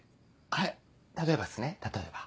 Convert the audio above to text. はい例えばっすね例えば。